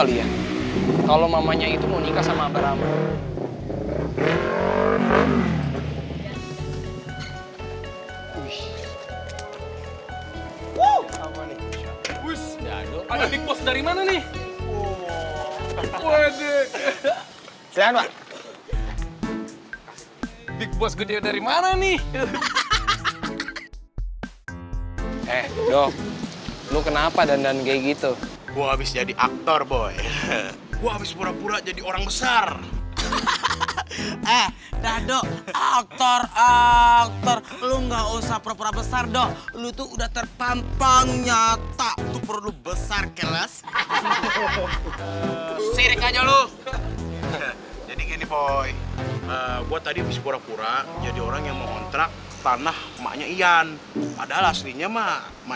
iya mudah mudahan ya